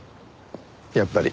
やっぱり。